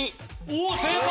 おっ正解！